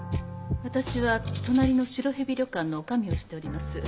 私は隣の白蛇旅館の女将をしております